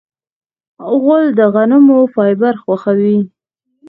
غول د غنمو فایبر خوښوي.